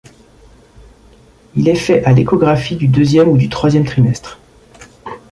Il est fait à l'échographie du deuxième ou du troisième trimestre.